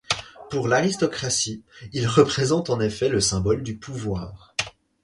Pour l'aristocratie, il représente en effet le symbole du pouvoir.